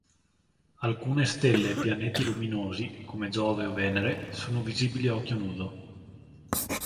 Alcune stelle e pianeti luminosi, come Giove o Venere, sono visibili a occhio nudo.